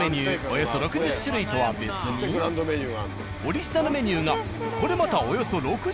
およそ６０種類とは別にオリジナルメニューがこれまたおよそ６０種類。